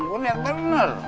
itu pun yang bener